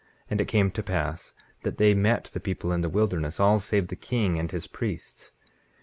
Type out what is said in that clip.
And it came to pass that they met the people in the wilderness, all save the king and his priests.